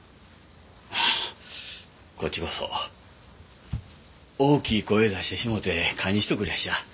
ああこっちこそ大きい声出してしもうて堪忍しておくれやっしゃ。